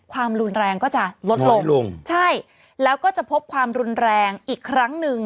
ความรุนแรงก็จะลดลงใช่แล้วก็จะพบความรุนแรงอีกครั้งหนึ่ง